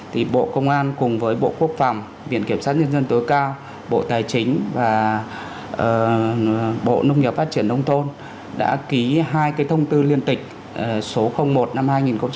thì bộ công an cùng với bộ quốc phòng viện kiểm sát nhân dân tối cao bộ tài chính và bộ nông nghiệp phát triển nông thôn đã ký hai cái thông tư liên tịch số một năm hai nghìn một mươi tám